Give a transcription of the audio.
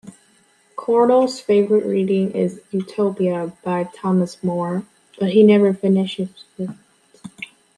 Corto's favourite reading is "Utopia" by Thomas More, but he never finishes it.